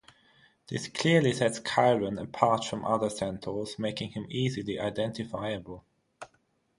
This clearly sets Chiron apart from the other centaurs, making him easily identifiable.